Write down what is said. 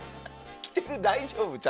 着てる、大丈夫。